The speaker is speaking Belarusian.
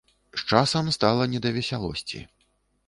З часам стала не да весялосці.